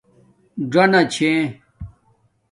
ڎنݳ چھیݺی